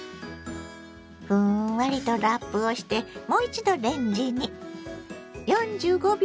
ふんわりとラップをしてもう一度レンジに。